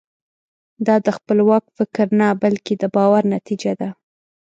دا د خپلواک فکر نه بلکې د باور نتیجه ده.